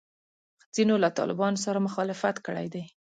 ځینو له طالبانو سره مخالفت کړی دی.